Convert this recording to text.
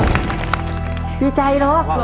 ต่อกับจังหวัดใด